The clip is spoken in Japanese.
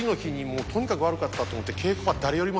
とにかく悪かったと思って。